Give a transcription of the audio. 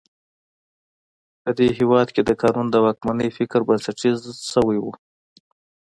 په دې هېواد کې د قانون د واکمنۍ فکر بنسټیزه شوی و.